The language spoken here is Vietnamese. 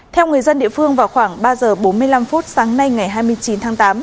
theo người dân địa phương vào khoảng ba giờ bốn mươi năm phút sáng nay ngày hai mươi chín tháng tám